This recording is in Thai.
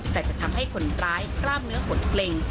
แต่จะทำให้คนร้ายกล้ามเนื้อหดเกร็ง